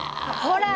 ほら！